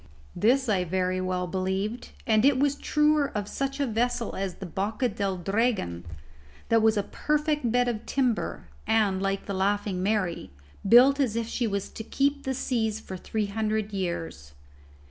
This I very well believed, and it was truer of such a vessel as the Boca del Dragon that was a perfect bed of timber, and, like the Laughing Mary, built as if she was to keep the seas for three hundred years.